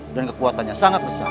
dan kekuatannya sangat besar